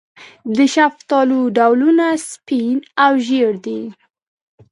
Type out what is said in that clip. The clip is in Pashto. د شفتالو ډولونه سپین او ژیړ دي.